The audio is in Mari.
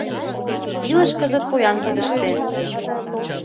Илыш кызыт поян кидыште.